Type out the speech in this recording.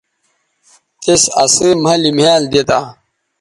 تِس اسئ مھلِ مھیال دی تا